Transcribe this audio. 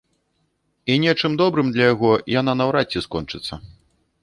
І нечым добрым для яго яна наўрад ці скончыцца.